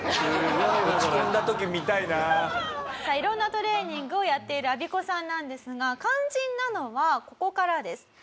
さあいろんなトレーニングをやっているアビコさんなんですが肝心なのはここからです。